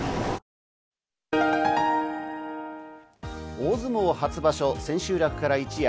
大相撲初場所、千秋楽から一夜。